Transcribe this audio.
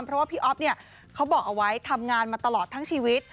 เพราะว่าพี่อ๊อฟเนี่ยเขาบอกเอาไว้ทำงานมาตลอดทั้งชีวิต